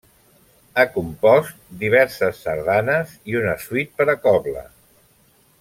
Ha compost diverses sardines i una suite per a cobla.